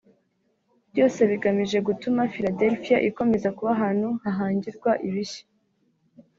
byose bigamije gutuma Philadelphia ikomeza kuba ahantu hahangirwa ibishya